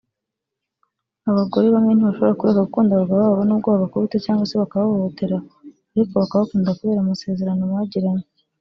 Abagore bamwe ntibashobora kureka gukunda abagabo babo nubwo babakubita cyangwa se bakabahohotera ariko bakabakunda kubera amasezerano bagiranye